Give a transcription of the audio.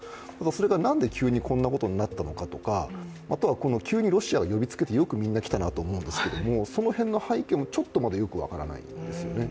それがなんで急にこんなことになったのかとかあとは急にロシアが呼びつけてよく来たなと思うんですけれどもその辺の背景もちょっとよく分からないですよね。